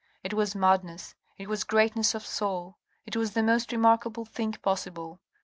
It was madness, it was greatness of soul, it was the most remarkable thing possible.